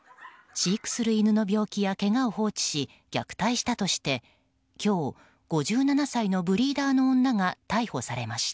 飼育する犬の病気やけがを放置し虐待したとして今日、５７歳のブリーダーの女が逮捕されました。